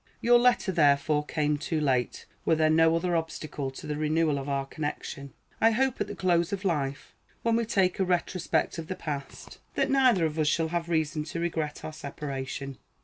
Your letter, therefore, came too late, were there no other obstacle to the renewal of our connection. I hope at the close of life, when we take a retrospect of the past, that neither of us shall have reason to regret our separation.